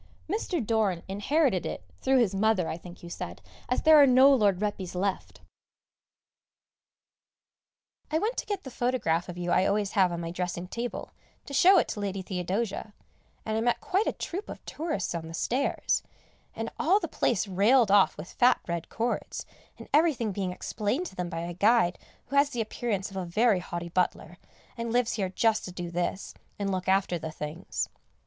Mr. Doran inherited it through his mother, I think you said, as there are no Lord Retbys left. [Sidenote: A Show Place] I went to get the photograph of you I always have on my dressing table, to show it to Lady Theodosia, and I met quite a troop of tourists on the stairs, and all the place railed off with fat red cords, and everything being explained to them by a guide who has the appearance of a very haughty butler, and lives here just to do this, and look after the things.